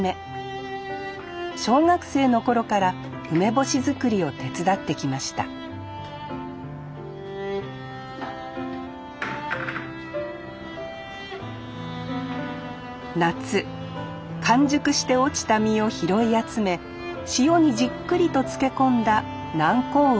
小学生の頃から梅干し作りを手伝ってきました夏完熟して落ちた実を拾い集め塩にじっくりと漬け込んだ南高梅。